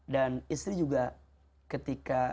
dan istri juga ketika